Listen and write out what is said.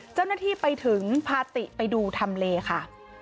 เจ้าหน้าที่ไปถึงพาติไปดูทำเลค่ะ